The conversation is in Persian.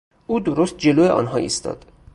او درست جلو آنها ایستاد.